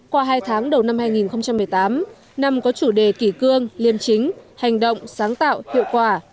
qua hai tháng đầu năm hai nghìn một mươi tám năm có chủ đề kỷ cương liêm chính hành động sáng tạo hiệu quả